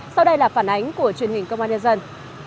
sau đây là phản ánh của truyền hình công an nhân dân